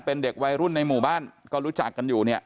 เป็นเด็กวัยรุ่นในหมู่บ้านก็รู้จักกันอยู่เนี่ย